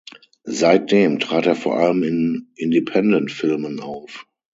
Seitdem trat er vor allem in Independentfilmen auf.